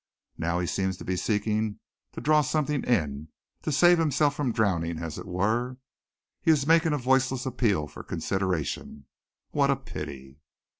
Now he seems to be seeking to draw something in, to save himself from drowning as it were. He is making a voiceless appeal for consideration. What a pity!"